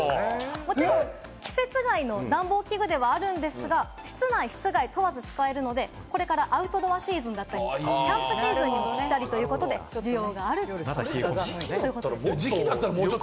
季節外の暖房器具ではあるんですが、室内・室外問わず使えるので、これからアウトドアシーズンだったり、キャンプシーズンだったりということで、需要があるということです。